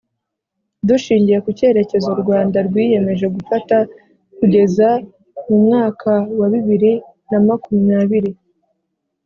dushingiye ku cyerekezo u rwanda rwiyemeje gufata kugeza mu mwaka wa bibiri na makumyabiri